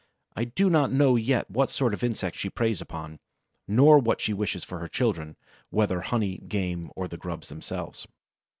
I do not know yet what sort of insect she preys upon, nor what she wishes for her children, whether honey, game, or the grubs themselves.